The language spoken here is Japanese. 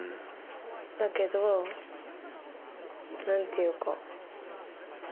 だけど何ていうか。